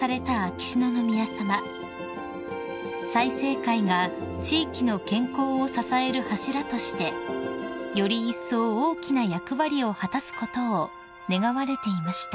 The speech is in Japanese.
［済生会が地域の健康を支える柱としてよりいっそう大きな役割を果たすことを願われていました］